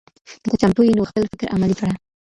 که ته چمتو یې نو خپل فکر عملي کړه.